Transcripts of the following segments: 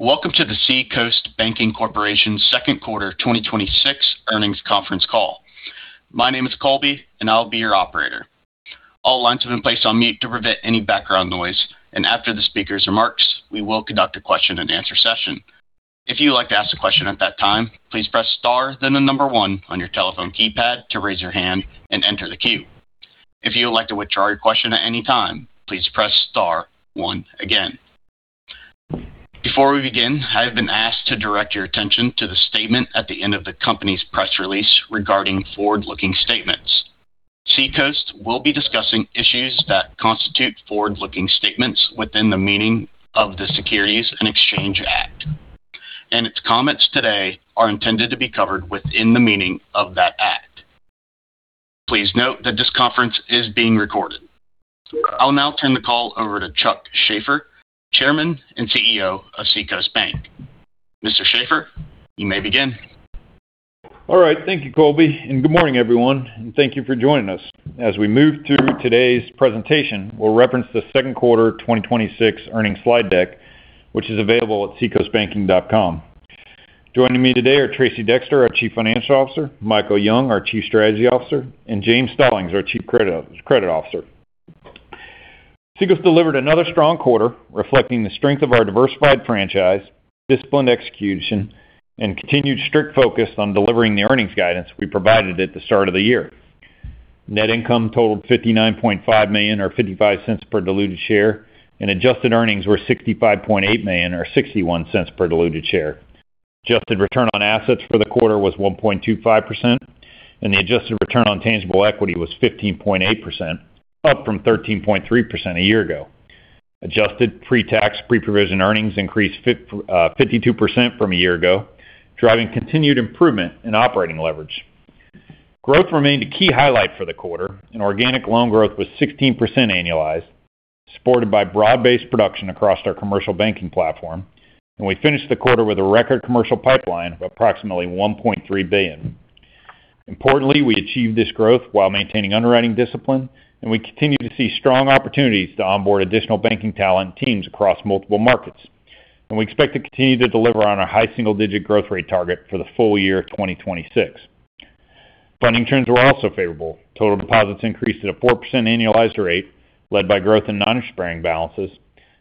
Welcome to the Seacoast Banking Corporation second quarter 2026 earnings conference call. My name is Colby and I'll be your operator. All lines have been placed on mute to prevent any background noise, and after the speaker's remarks, we will conduct a question-and-answer session. If you would like to ask a question at that time, please press star then the number one on your telephone keypad to raise your hand and enter the queue. If you would like to withdraw your question at any time, please press star one again. Before we begin, I have been asked to direct your attention to the statement at the end of the company's press release regarding forward-looking statements. Seacoast will be discussing issues that constitute forward-looking statements within the meaning of the Securities Exchange Act, and its comments today are intended to be covered within the meaning of that act. Please note that this conference is being recorded. I'll now turn the call over to Chuck Shaffer, Chairman and CEO of Seacoast Bank. Mr. Shaffer, you may begin. All right. Thank you, Colby, and good morning, everyone, and thank you for joining us. As we move through today's presentation, we'll reference the second quarter 2026 earnings slide deck, which is available at seacoastbanking.com. Joining me today are Tracey Dexter, our Chief Financial Officer, Michael Young, our Chief Strategy Officer, and James Stallings, our Chief Credit Officer. Seacoast delivered another strong quarter reflecting the strength of our diversified franchise, disciplined execution, and continued strict focus on delivering the earnings guidance we provided at the start of the year. Net income totaled $59.5 million, or $0.55 per diluted share, and adjusted earnings were $65.8 million or $0.61 per diluted share. Adjusted return on assets for the quarter was 1.25%, and the adjusted return on tangible equity was 15.8%, up from 13.3% a year ago. Adjusted pre-tax, pre-provision earnings increased 52% from a year ago, driving continued improvement in operating leverage. Growth remained a key highlight for the quarter and organic loan growth was 16% annualized, supported by broad-based production across our commercial banking platform, and we finished the quarter with a record commercial pipeline of approximately $1.3 billion. Importantly, we achieved this growth while maintaining underwriting discipline and we continue to see strong opportunities to onboard additional banking talent and teams across multiple markets. We expect to continue to deliver on our high single-digit growth rate target for the full year 2026. Funding trends were also favorable. Total deposits increased at a 4% annualized rate, led by growth in non-interest-bearing balances.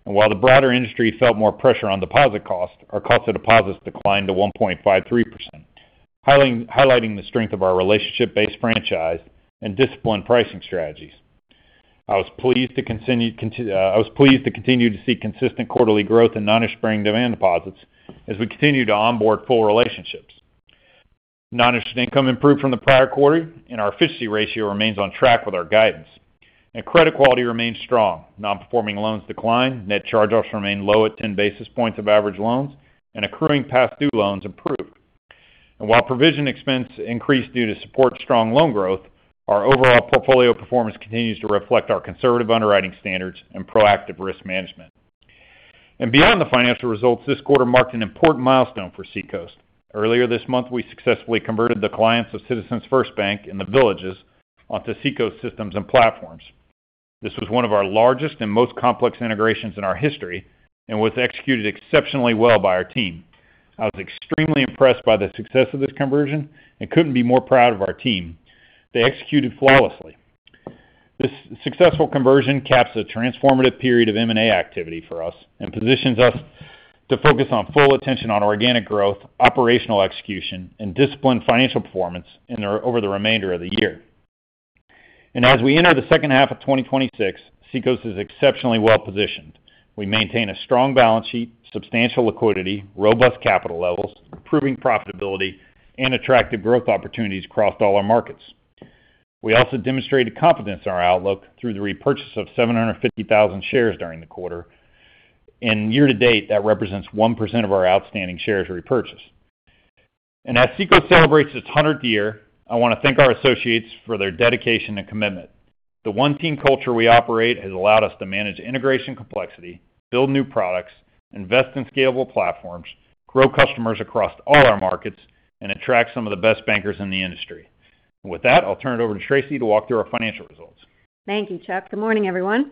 And while the broader industry felt more pressure on deposit cost, our cost of deposits declined to 1.53%, highlighting the strength of our relationship-based franchise and disciplined pricing strategies. I was pleased to continue to see consistent quarterly growth in non-interest-bearing demand deposits as we continue to onboard full relationships. Non-interest income improved from the prior quarter and our efficiency ratio remains on track with our guidance. Credit quality remains strong. Non-performing loans decline, net charge-offs remain low at 10 basis points of average loans, and accruing past due loans improved. While provision expense increased due to support strong loan growth, our overall portfolio performance continues to reflect our conservative underwriting standards and proactive risk management. Beyond the financial results, this quarter marked an important milestone for Seacoast. Earlier this month, we successfully converted the clients of Citizens First Bank in The Villages onto Seacoast systems and platforms. This was one of our largest and most complex integrations in our history and was executed exceptionally well by our team. I was extremely impressed by the success of this conversion and couldn't be more proud of our team. They executed flawlessly. This successful conversion caps a transformative period of M&A activity for us and positions us to focus on full attention on organic growth, operational execution, and disciplined financial performance over the remainder of the year. As we enter the second half of 2026, Seacoast is exceptionally well-positioned. We maintain a strong balance sheet, substantial liquidity, robust capital levels, improving profitability, and attractive growth opportunities across all our markets. We also demonstrated confidence in our outlook through the repurchase of 750,000 shares during the quarter. In year to date, that represents 1% of our outstanding shares repurchased. As Seacoast celebrates its 100th year, I want to thank our associates for their dedication and commitment. The one-team culture we operate has allowed us to manage integration complexity, build new products, invest in scalable platforms, grow customers across all our markets, and attract some of the best bankers in the industry. With that, I'll turn it over to Tracey to walk through our financial results. Thank you, Chuck. Good morning, everyone.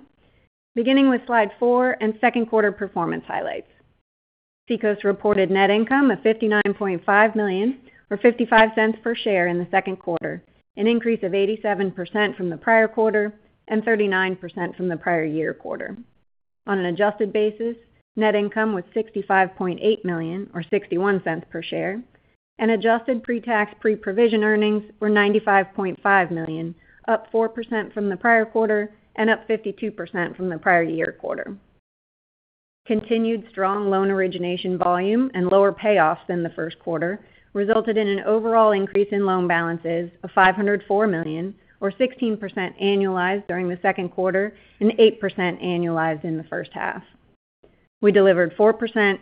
Beginning with slide four and second quarter performance highlights. Seacoast reported net income of $59.5 million or $0.55 per share in the second quarter, an increase of 87% from the prior quarter and 39% from the prior year quarter. On an adjusted basis, net income was $65.8 million or $0.61 per share, and adjusted pre-tax, pre-provision earnings were $95.5 million, up 4% from the prior quarter and up 52% from the prior year quarter. Continued strong loan origination volume and lower payoffs than the first quarter resulted in an overall increase in loan balances of $504 million or 16% annualized during the second quarter and 8% annualized in the first half. We delivered 4%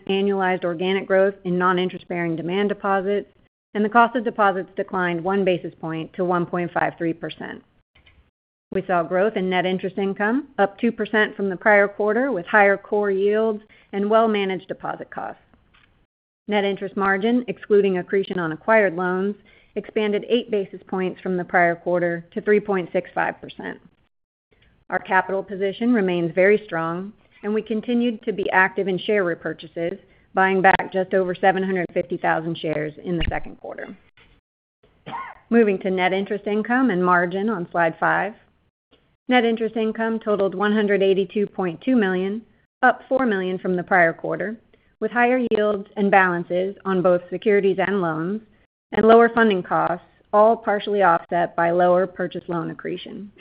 annualized organic growth in non-interest-bearing demand deposits, the cost of deposits declined one basis point to 1.53%. We saw growth in net interest income up 2% from the prior quarter with higher core yields and well-managed deposit costs. Net interest margin, excluding accretion on acquired loans, expanded eight basis points from the prior quarter to 3.65%. Our capital position remains very strong, and we continued to be active in share repurchases, buying back just over 750,000 shares in the second quarter. Moving to net interest income and margin on Slide five. Net interest income totaled $182.2 million, up $4 million from the prior quarter, with higher yields and balances on both securities and loans, and lower funding costs, all partially offset by lower purchase loan accretion.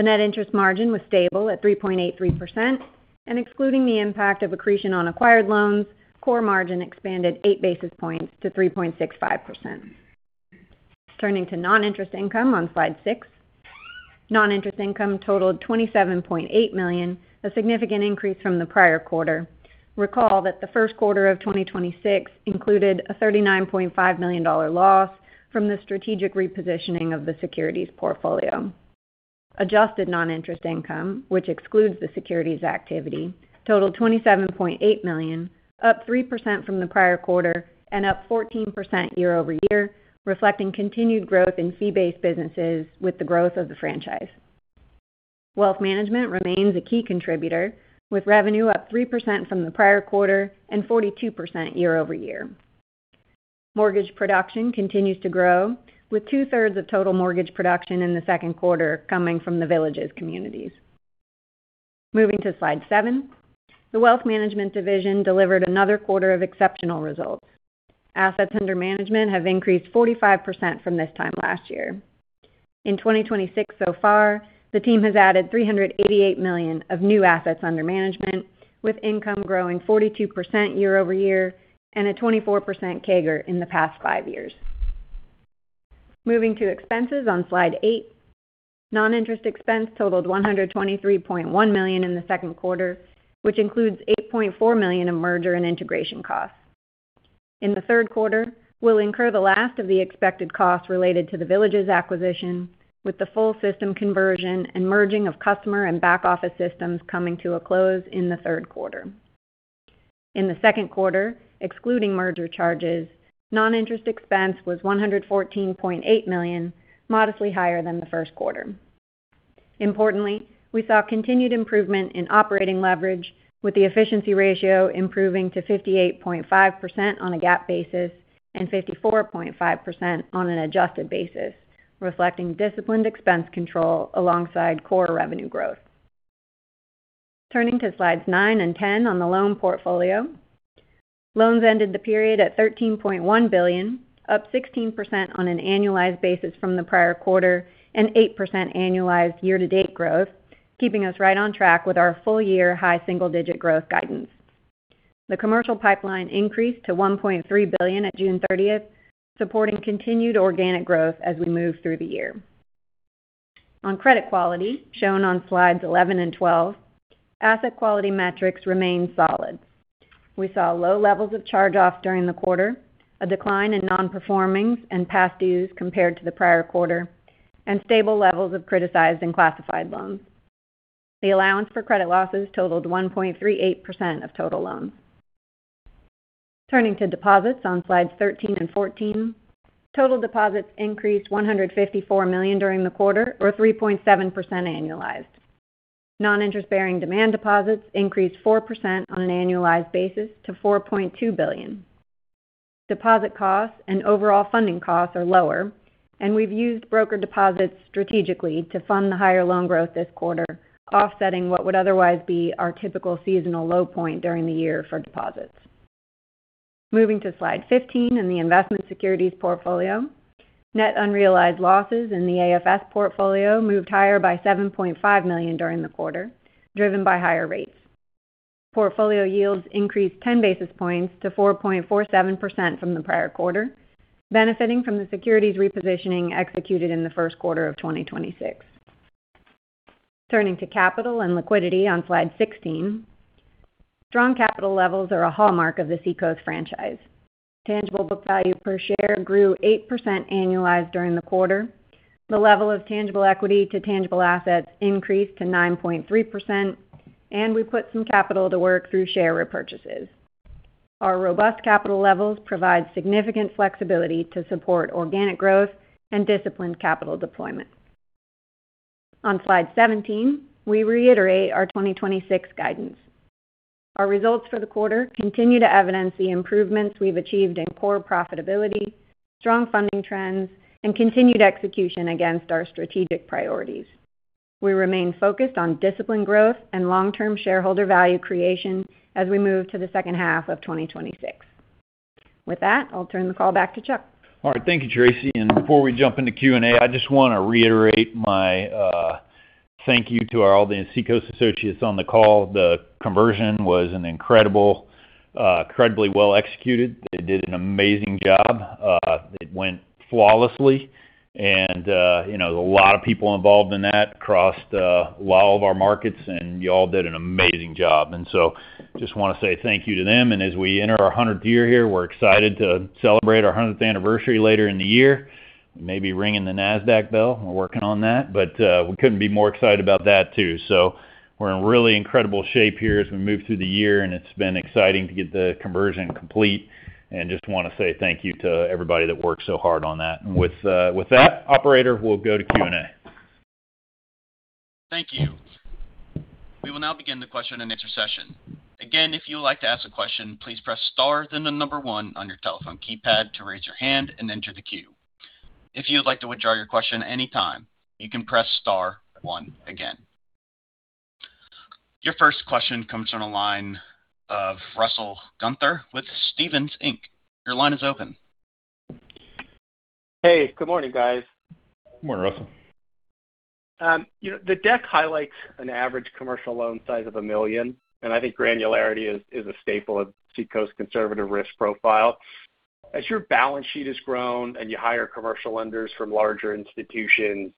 The net interest margin was stable at 3.83%, and excluding the impact of accretion on acquired loans, core margin expanded eight basis points to 3.65%. Turning to non-interest income on Slide six. Non-interest income totaled $27.8 million, a significant increase from the prior quarter. Recall that the first quarter of 2026 included a $39.5 million loss from the strategic repositioning of the securities portfolio. Adjusted non-interest income, which excludes the securities activity, totaled $27.8 million, up 3% from the prior quarter and up 14% year-over-year, reflecting continued growth in fee-based businesses with the growth of the franchise. Wealth management remains a key contributor, with revenue up 3% from the prior quarter and 42% year-over-year. Mortgage production continues to grow, with two-thirds of total mortgage production in the second quarter coming from The Villages communities. Moving to Slide seven. The Wealth management division delivered another quarter of exceptional results. Assets under management have increased 45% from this time last year. In 2026 so far, the team has added $388 million of new assets under management, with income growing 42% year-over-year and a 24% CAGR in the past five years. Moving to expenses on Slide eight. Non-interest expense totaled $123.1 million in the second quarter, which includes $8.4 million in merger and integration costs. In the third quarter, we'll incur the last of the expected costs related to The Villages acquisition, with the full system conversion and merging of customer and back office systems coming to a close in the third quarter. In the second quarter, excluding merger charges, non-interest expense was $114.8 million, modestly higher than the first quarter. Importantly, we saw continued improvement in operating leverage, with the efficiency ratio improving to 58.5% on a GAAP basis and 54.5% on an adjusted basis, reflecting disciplined expense control alongside core revenue growth. Turning to Slides nine and ten on the loan portfolio. Loans ended the period at $13.1 billion, up 16% on an annualized basis from the prior quarter and 8% annualized year-to-date growth, keeping us right on track with our full year high single-digit growth guidance. The commercial pipeline increased to $1.3 billion at June 30th, supporting continued organic growth as we move through the year. On credit quality, shown on Slides eleven and twelve, asset quality metrics remain solid. We saw low levels of charge-offs during the quarter, a decline in non-performings and past dues compared to the prior quarter, and stable levels of criticized and classified loans. The allowance for credit losses totaled 1.38% of total loans. Turning to deposits on Slides thirteen and fourteen. Total deposits increased $154 million during the quarter or 3.7% annualized. Non-interest-bearing demand deposits increased 4% on an annualized basis to $4.2 billion. Deposit costs and overall funding costs are lower. We've used broker deposits strategically to fund the higher loan growth this quarter, offsetting what would otherwise be our typical seasonal low point during the year for deposits. Moving to Slide 15 and the investment securities portfolio. Net unrealized losses in the AFS portfolio moved higher by $7.5 million during the quarter, driven by higher rates. Portfolio yields increased 10 basis points to 4.47% from the prior quarter, benefiting from the securities repositioning executed in the first quarter of 2026. Turning to capital and liquidity on Slide 16. Strong capital levels are a hallmark of the Seacoast franchise. Tangible book value per share grew 8% annualized during the quarter. The level of tangible equity to tangible assets increased to 9.3%. We put some capital to work through share repurchases. Our robust capital levels provide significant flexibility to support organic growth and disciplined capital deployment. On Slide 17, we reiterate our 2026 guidance. Our results for the quarter continue to evidence the improvements we've achieved in core profitability, strong funding trends, and continued execution against our strategic priorities. We remain focused on disciplined growth and long-term shareholder value creation as we move to the second half of 2026. With that, I'll turn the call back to Chuck. All right. Thank you, Tracey. Before we jump into Q&A, I just want to reiterate my thank you to all the Seacoast associates on the call. The conversion was incredibly well-executed. They did an amazing job. It went flawlessly. A lot of people involved in that across a lot of our markets. You all did an amazing job. Just want to say thank you to them. As we enter our 100th year here, we're excited to celebrate our 100th anniversary later in the year, maybe ringing the Nasdaq bell. We're working on that. We couldn't be more excited about that too. We're in really incredible shape here as we move through the year, and it's been exciting to get the conversion complete. Just want to say thank you to everybody that worked so hard on that. With that, operator, we'll go to Q&A. Thank you. We will now begin the question and answer session. Again, if you would like to ask a question, please press star then the number one on your telephone keypad to raise your hand and enter the queue. If you would like to withdraw your question anytime, you can press star one again. Your first question comes from the line of Russell Gunther with Stephens Inc. Your line is open. Hey, good morning, guys. Good morning, Russell. The deck highlights an average commercial loan size of $1 million, and I think granularity is a staple of Seacoast conservative risk profile. As your balance sheet has grown and you hire commercial lenders from larger institutions,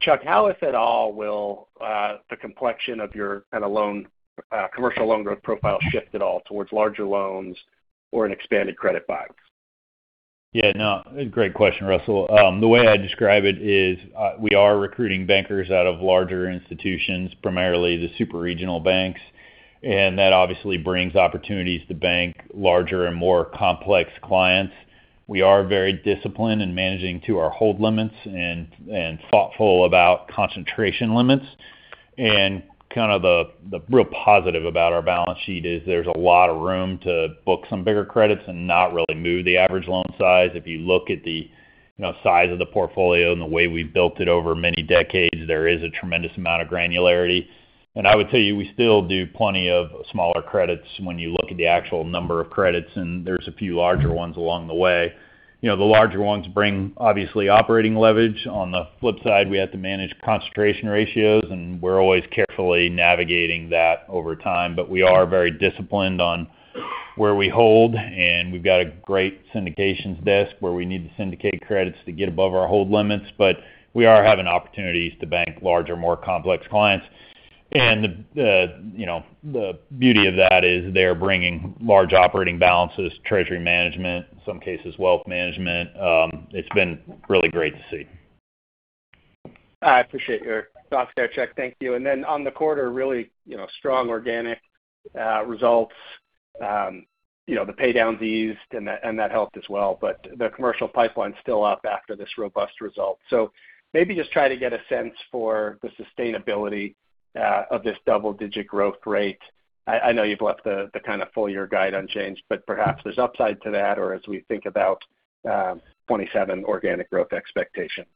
Chuck, how, if at all, will the complexion of your commercial loan growth profile shift at all towards larger loans or an expanded credit box? No. Great question, Russell. The way I describe it is, we are recruiting bankers out of larger institutions, primarily the super-regional banks, and that obviously brings opportunities to bank larger and more complex clients. We are very disciplined in managing to our hold limits and thoughtful about concentration limits. The real positive about our balance sheet is there's a lot of room to book some bigger credits and not really move the average loan size. If you look at the size of the portfolio and the way we've built it over many decades, there is a tremendous amount of granularity. I would tell you, we still do plenty of smaller credits when you look at the actual number of credits, and there's a few larger ones along the way. The larger ones bring obviously operating leverage. On the flip side, we have to manage concentration ratios. We're always carefully navigating that over time. We are very disciplined on where we hold, and we've got a great syndications desk where we need to syndicate credits to get above our hold limits. We are having opportunities to bank larger, more complex clients. The beauty of that is they're bringing large operating balances, treasury management, in some cases, wealth management. It's been really great to see. I appreciate your thoughts there, Chuck. Thank you. On the quarter, really strong organic results. The pay downs eased and that helped as well. The commercial pipeline's still up after this robust result. Maybe just try to get a sense for the sustainability of this double-digit growth rate. I know you've left the kind of full year guide unchanged, perhaps there's upside to that or as we think about 2027 organic growth expectation.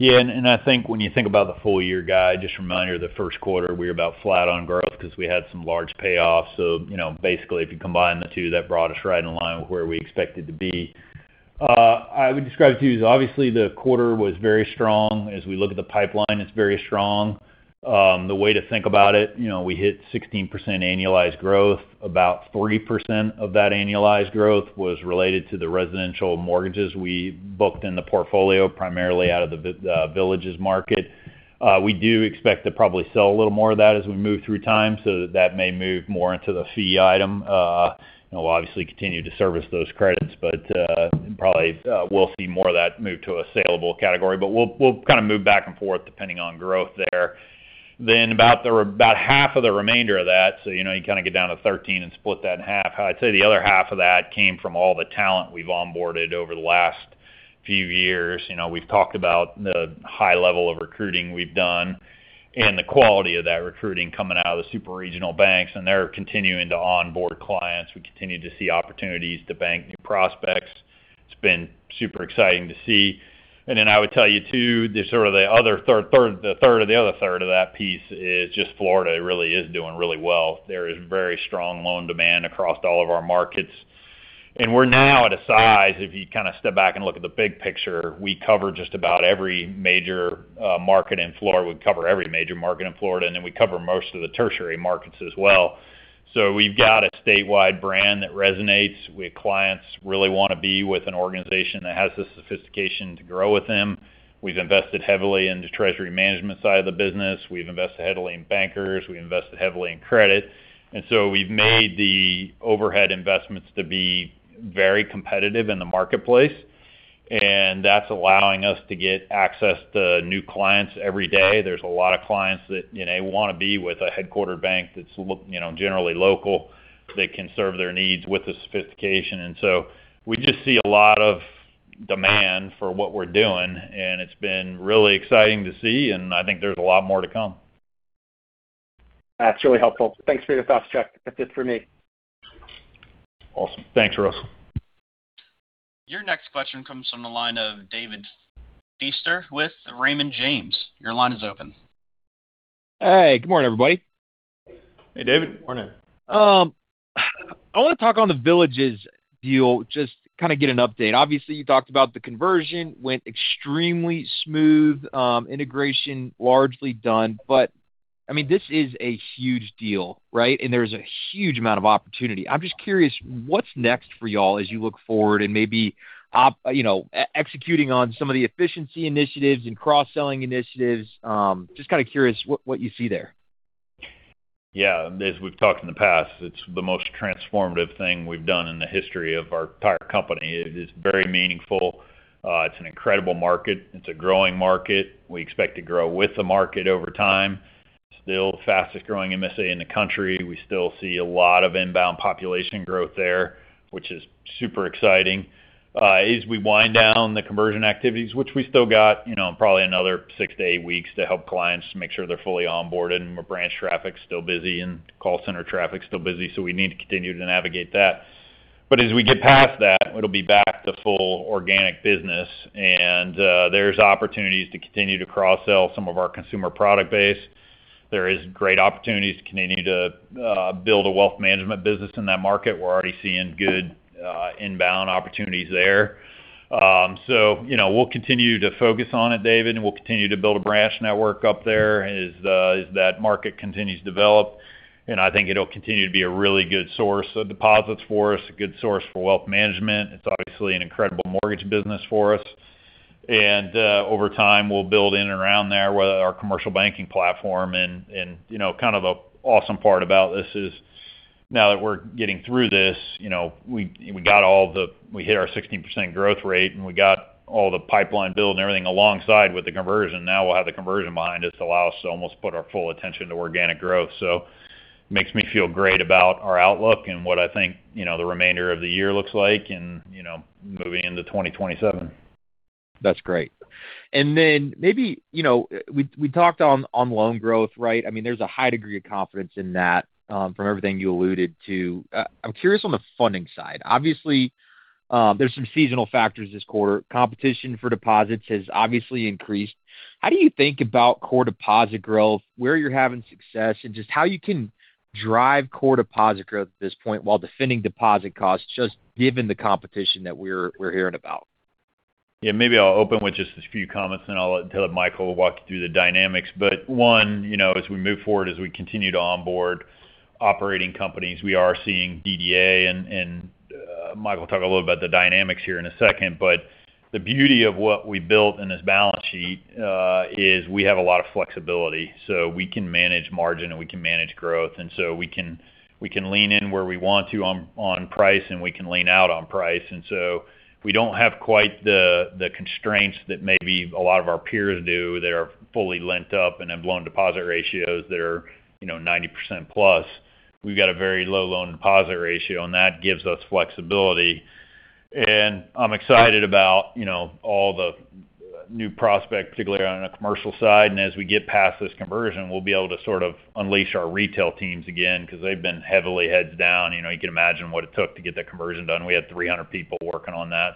I think when you think about the full year guide, just a reminder, the first quarter, we were about flat on growth because we had some large payoffs. Basically, if you combine the two, that brought us right in line with where we expected to be. I would describe it to you as obviously the quarter was very strong. As we look at the pipeline, it's very strong. The way to think about it, we hit 16% annualized growth. About 30% of that annualized growth was related to the residential mortgages we booked in the portfolio, primarily out of The Villages market. We do expect to probably sell a little more of that as we move through time, so that may move more into the fee item. We'll obviously continue to service those credits, probably we'll see more of that move to a saleable category. We'll kind of move back and forth depending on growth there. About half of the remainder of that, so you kind of get down to 13 and split that in half. I'd say the other half of that came from all the talent we've onboarded over the last few years. We've talked about the high level of recruiting we've done and the quality of that recruiting coming out of the super regional banks, and they're continuing to onboard clients. We continue to see opportunities to bank new prospects. It's been super exciting to see. I would tell you, too, the third of the other third of that piece is just Florida really is doing really well. There is very strong loan demand across all of our markets. We're now at a size, if you kind of step back and look at the big picture, we cover just about every major market in Florida. We cover every major market in Florida, we cover most of the tertiary markets as well. We've got a statewide brand that resonates with clients really want to be with an organization that has the sophistication to grow with them. We've invested heavily in the treasury management side of the business. We've invested heavily in bankers. We invested heavily in credit. We've made the overhead investments to be very competitive in the marketplace, and that's allowing us to get access to new clients every day. There's a lot of clients that want to be with a headquarter bank that's generally local, that can serve their needs with the sophistication. We just see a lot of demand for what we're doing, and it's been really exciting to see, and I think there's a lot more to come. That's really helpful. Thanks for your thoughts, Chuck. That's it for me. Awesome. Thanks, Russell. Your next question comes from the line of David Feaster with Raymond James. Your line is open. Hey, good morning, everybody. Hey, David. Morning. I want to talk on The Villages deal, just kind of get an update. Obviously, you talked about the conversion went extremely smooth, integration largely done, I mean, this is a huge deal, right? There's a huge amount of opportunity. I'm just curious what's next for you all as you look forward and maybe executing on some of the efficiency initiatives and cross-selling initiatives. Curious what you see there. Yeah. As we've talked in the past, it's the most transformative thing we've done in the history of our entire company. It is very meaningful. It's an incredible market. It's a growing market. We expect to grow with the market over time. Still fastest growing MSA in the country. We still see a lot of inbound population growth there, which is super exciting. As we wind down the conversion activities, which we still got probably another six to eight weeks to help clients to make sure they're fully onboarded, and our branch traffic's still busy, and call center traffic's still busy, so we need to continue to navigate that. As we get past that, it'll be back to full organic business, there's opportunities to continue to cross-sell some of our consumer product base. There is great opportunities to continue to build a wealth management business in that market. We're already seeing good inbound opportunities there. We'll continue to focus on it, David, we'll continue to build a branch network up there as that market continues to develop. I think it'll continue to be a really good source of deposits for us, a good source for wealth management. It's obviously an incredible mortgage business for us. Over time, we'll build in and around there with our commercial banking platform. Kind of an awesome part about this is now that we're getting through this, we hit our 16% growth rate, and we got all the pipeline build and everything alongside with the conversion. Now we'll have the conversion behind us to allow us to almost put our full attention to organic growth. Makes me feel great about our outlook and what I think the remainder of the year looks like and moving into 2027. That's great. Then maybe, we talked on loan growth, right? There's a high degree of confidence in that from everything you alluded to. I'm curious on the funding side. Obviously, there's some seasonal factors this quarter. Competition for deposits has obviously increased. How do you think about core deposit growth, where you're having success, and just how you can drive core deposit growth at this point while defending deposit costs, just given the competition that we're hearing about? Yeah, maybe I'll open with just a few comments. I'll let Michael walk you through the dynamics. One, as we move forward, as we continue to onboard operating companies, we are seeing DDA. Michael will talk a little about the dynamics here in a second. The beauty of what we built in this balance sheet, is we have a lot of flexibility. We can manage margin, and we can manage growth. We can lean in where we want to on price, and we can lean out on price. We don't have quite the constraints that maybe a lot of our peers do that are fully lent up and have loan-to-deposit ratios that are 90%+. We've got a very low loan-to-deposit ratio, and that gives us flexibility. I'm excited about all the new prospects, particularly on the commercial side. As we get past this conversion, we'll be able to sort of unleash our retail teams again because they've been heavily heads down. You can imagine what it took to get that conversion done. We had 300 people working on that.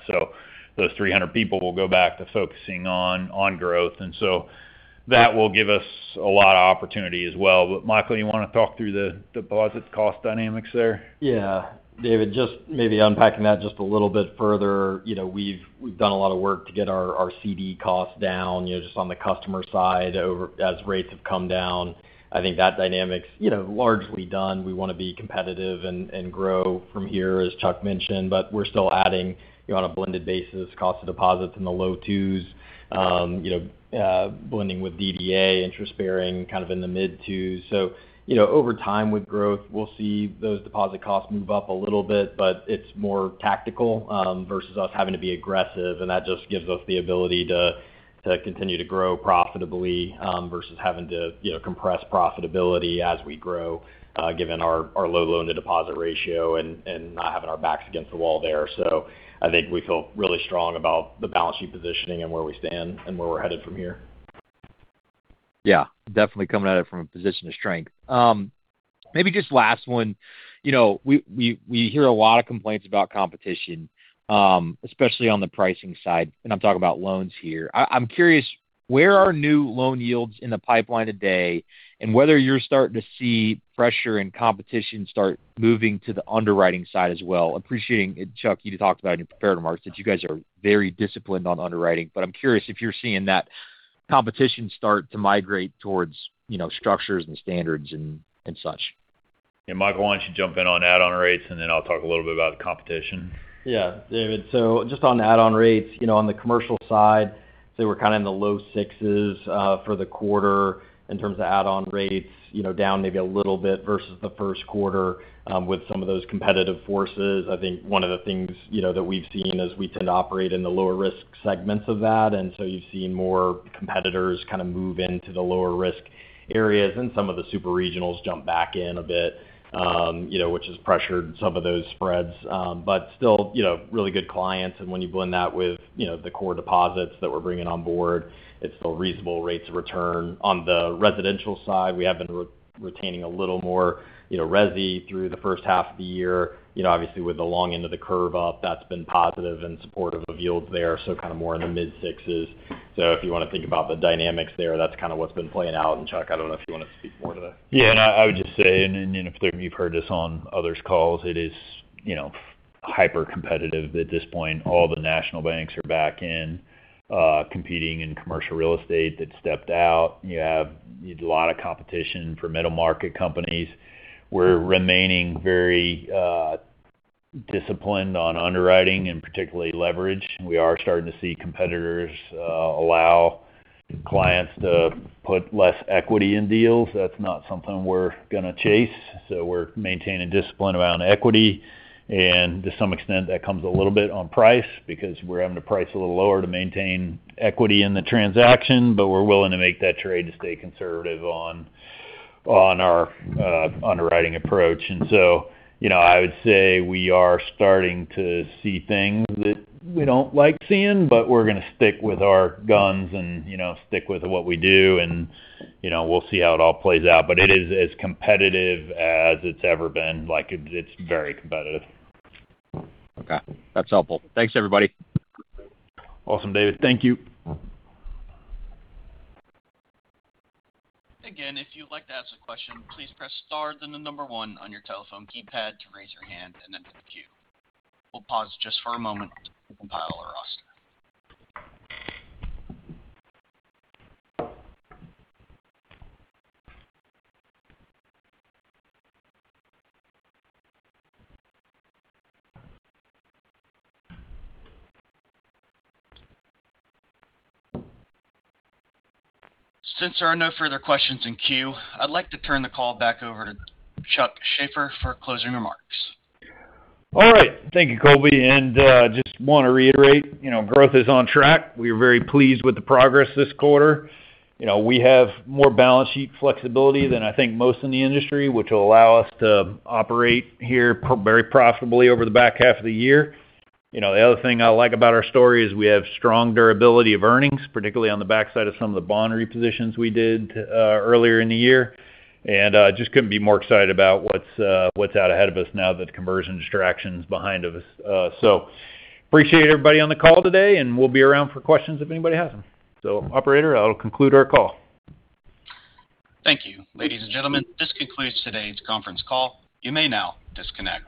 Those 300 people will go back to focusing on growth, and that will give us a lot of opportunity as well. Michael, you want to talk through the deposits cost dynamics there? Yeah. David, just maybe unpacking that just a little bit further. We've done a lot of work to get our CD costs down, just on the customer side as rates have come down. I think that dynamic's largely done. We want to be competitive and grow from here, as Chuck mentioned. We're still adding on a blended basis cost of deposits in the low twos, blending with DDA interest bearing kind of in the mid twos. Over time with growth, we'll see those deposit costs move up a little bit, but it's more tactical versus us having to be aggressive, and that just gives us the ability to continue to grow profitably, versus having to compress profitability as we grow, given our low loan-to-deposit ratio and not having our backs against the wall there. I think we feel really strong about the balance sheet positioning and where we stand and where we're headed from here. Yeah, definitely coming at it from a position of strength. Maybe just last one. We hear a lot of complaints about competition, especially on the pricing side. I'm talking about loans here. I'm curious, where are new loan yields in the pipeline today and whether you're starting to see pressure and competition start moving to the underwriting side as well? Appreciating, Chuck, you talked about in your prepared remarks that you guys are very disciplined on underwriting. I'm curious if you're seeing that competition start to migrate towards structures and standards and such. Yeah, Michael, why don't you jump in on add-on rates. Then I'll talk a little bit about the competition. Yeah. David, just on add-on rates, on the commercial side, they were kind of in the low sixes for the quarter in terms of add-on rates, down maybe a little bit versus the first quarter with some of those competitive forces. I think one of the things that we've seen is we tend to operate in the lower-risk segments of that. You've seen more competitors kind of move into the lower-risk areas. Some of the super regionals jump back in a bit, which has pressured some of those spreads. Still really good clients, when you blend that with the core deposits that we're bringing on board, it's still reasonable rates of return. On the residential side, we have been retaining a little more resi through the first half of the year. Obviously, with the long end of the curve up, that's been positive and supportive of yields there, kind of more in the mid sixes. If you want to think about the dynamics there, that's kind of what's been playing out. Chuck, I don't know if you want to speak more to that. I would just say, clearly you've heard this on others' calls, it is hyper-competitive at this point. All the national banks are back in competing in commercial real estate that stepped out. You have a lot of competition for middle-market companies. We're remaining very disciplined on underwriting and particularly leverage. We are starting to see competitors allow clients to put less equity in deals. That's not something we're going to chase. We're maintaining discipline around equity, to some extent, that comes a little bit on price because we're having to price a little lower to maintain equity in the transaction, but we're willing to make that trade to stay conservative on our underwriting approach. I would say we are starting to see things that we don't like seeing, we're going to stick with our guns and stick with what we do, we'll see how it all plays out. It is as competitive as it's ever been. It's very competitive. Okay. That's helpful. Thanks, everybody. Awesome, David. Thank you. Again, if you'd like to ask a question, please press star then the number one on your telephone keypad to raise your hand and enter the queue. We'll pause just for a moment to compile our roster. Since there are no further questions in queue, I'd like to turn the call back over to Chuck Shaffer for closing remarks. All right. Thank you, Colby. Just want to reiterate, growth is on track. We are very pleased with the progress this quarter. We have more balance sheet flexibility than I think most in the industry, which will allow us to operate here very profitably over the back half of the year. The other thing I like about our story is we have strong durability of earnings, particularly on the backside of some of the bond repositions we did earlier in the year. Just couldn't be more excited about what's out ahead of us now that conversion distraction is behind us. Appreciate everybody on the call today, and we'll be around for questions if anybody has them. Operator, that'll conclude our call. Thank you. Ladies and gentlemen, this concludes today's conference call. You may now disconnect.